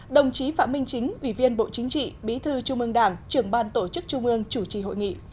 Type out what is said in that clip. đồng chí phạm minh chính ủy viên bộ chính trị bí thư trung ương đảng trưởng ban tổ chức trung ương chủ trì hội nghị